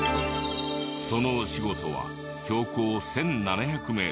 そのお仕事は標高１７００メートル